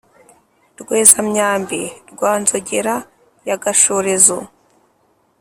rweza-myambi rwa nzogera ya gashorezo